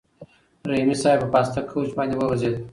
رحیمي صیب په پاسته کوچ باندې وغځېد.